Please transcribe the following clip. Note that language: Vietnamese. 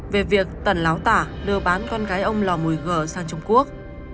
về việc tần láo tả đưa bán con gái ông lò mùi g sang trung quốc